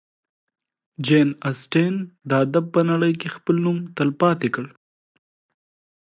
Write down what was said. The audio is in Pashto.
جین اسټن د ادب په نړۍ کې خپل نوم تلپاتې کړ.